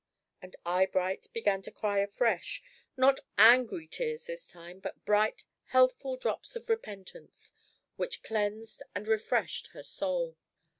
And Eyebright began to cry afresh; not angry tears this time, but bright, healthful drops of repentance, which cleansed and refreshed her soul.